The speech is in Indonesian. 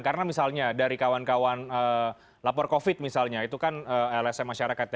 karena misalnya dari kawan kawan lapor covid sembilan belas misalnya itu kan lsm masyarakat ya